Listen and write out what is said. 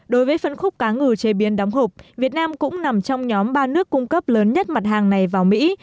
đối với phân khúc cá ngừ chế biến đóng hộp việt nam cũng nằm trong nhóm ba nước cung cấp lớn nhất mặt hàng này vào mỹ